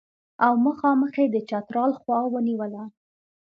او مخامخ یې د چترال خوا ونیوله.